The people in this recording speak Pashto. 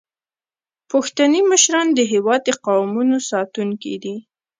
پښتني مشران د هیواد د قومونو ساتونکي دي.